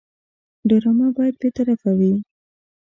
ډرامه باید بېطرفه وي